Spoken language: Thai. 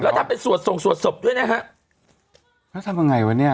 แล้วทำเป็นสวดส่งสวดศพด้วยนะฮะแล้วทำยังไงวะเนี้ย